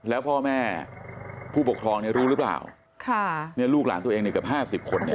แล้วพ่อแม่ผู้ปกครองรู้หรือเปล่าลูกหลานตัวเองกับ๕๐คน